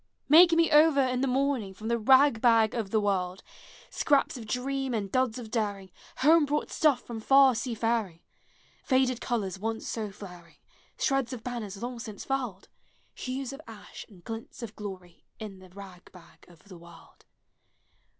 youtii. 251 Make me over in the morning From the rag bag of the world ! Scraps of dream and duds of daring, Home brought stuff from far sea faring, Faded colors once so miring. Shreds of banners long since furled! Hues of ash and glints of glory, In the rag bag of the world!